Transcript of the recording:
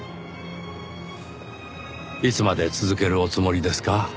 いつまで続けるおつもりですか？